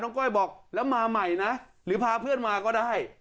ก้อยบอกแล้วมาใหม่นะหรือพาเพื่อนมาก็ได้